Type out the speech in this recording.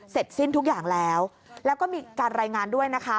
สิ้นทุกอย่างแล้วแล้วก็มีการรายงานด้วยนะคะ